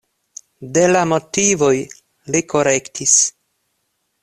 De la motivoj li korektis.